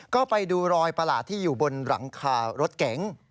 ก็ไปดูรอยประหลาดที่อยู่บนหลังคารถเก๋ง